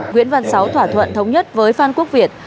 nguyễn văn sáu thỏa thuận thống nhất với phan quốc việt